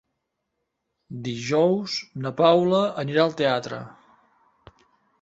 Dijous na Paula anirà al teatre.